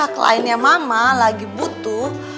kliennya mama lagi butuh